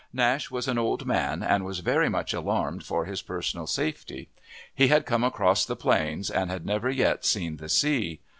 Nash was an old man, and was very much alarmed for his personal safety. He had come across the Plains, and had never yet seen the sea.